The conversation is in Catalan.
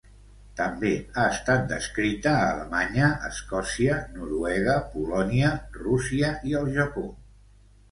També ha estat descrita a Alemanya, Escòcia, Noruega, Polònia, Rússia i el Japó.